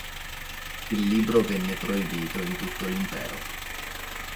Il libro venne proibito in tutto l'impero.